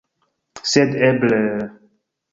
Sed eble...